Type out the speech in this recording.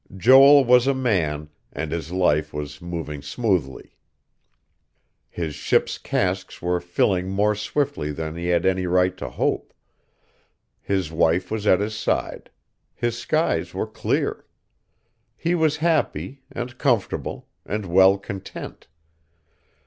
Joel was a man, and his life was moving smoothly. His ship's casks were filling more swiftly than he had any right to hope; his wife was at his side; his skies were clear. He was happy, and comfortable, and well content.